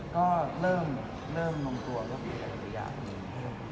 ก็เริ่มลองตรวจ